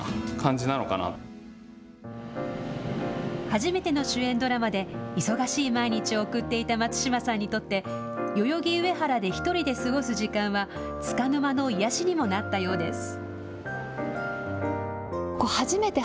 初めての主演ドラマで忙しい毎日を送っていた松嶋さんにとって代々木上原で１人で過ごす時間はつかの間の癒やしにもなったようです。